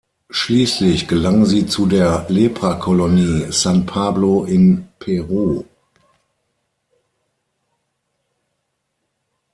Schließlich gelangen sie zu der Leprakolonie San Pablo in Peru.